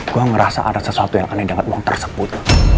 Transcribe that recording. gue ngerasa ada sesuatu yang aneh denganmu tersebut